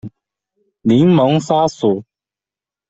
柠檬鲨属。